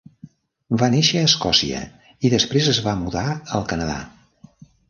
Va néixer a Escòcia i després es va mudar al Canadà.